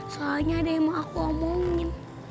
soalnya ada yang mau aku omongin